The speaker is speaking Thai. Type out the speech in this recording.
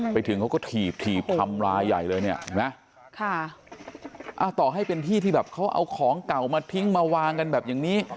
ไปถึงเขาก็ถีบถีบทำร้ายใหญ่เลยเนี่ยเห็นไหมต่อให้เป็นที่ที่แบบเขาเอาของเก่ามาทิ้งมาวางกันแบบอย่างนี้